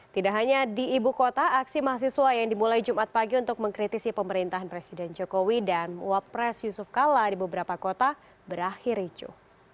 tidak hanya di ibu kota aksi mahasiswa yang dimulai jumat pagi untuk mengkritisi pemerintahan presiden jokowi dan wapres yusuf kala di beberapa kota berakhir ricu